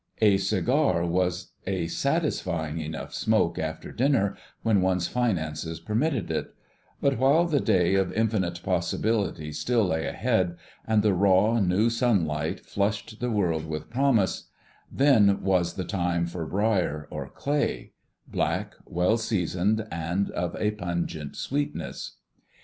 A cigar was a satisfying enough smoke after dinner when one's finances permitted it; but while the day of infinite possibilities still lay ahead, and the raw, new sunlight flushed the world with promise, then was the time for briar or clay: black, well seasoned, and of a pungent sweetness.